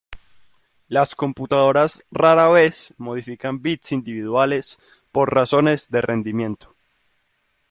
Las computadoras rara vez modifican bits individuales por razones de rendimiento.